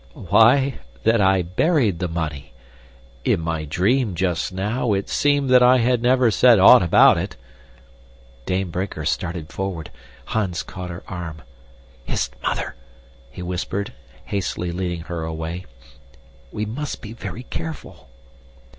"Why, that I buried the money. In my dream just now, it seemed that I had never said aught about it." Dame Brinker started forward. Hans caught her arm. "Hist! Mother," he whispered, hastily leading her away, "we must be very careful."